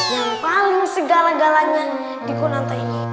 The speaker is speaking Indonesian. yang paling segala galanya diku nantai